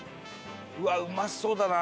うわっうまそうだな。